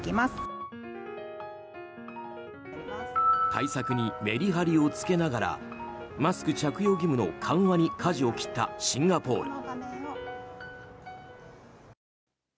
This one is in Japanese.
対策にメリハリをつけながらマスク着用義務の緩和にかじを切ったシンガポール。